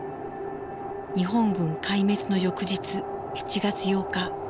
日本軍壊滅の翌日７月８日。